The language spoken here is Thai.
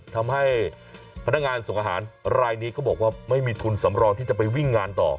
ทำให้พนักงานส่งอาหารรายนี้ก็บอกว่าไม่มีทุนสำรองที่จะไปวิ่งงานต่อ